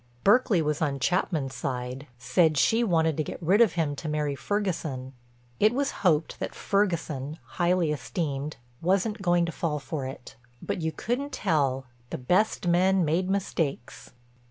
Berkeley was on Chapman's side, said she wanted to get rid of him to marry Ferguson. It was hoped that Ferguson—highly esteemed—wasn't going to fall for it; but you couldn't tell, the best men made mistakes.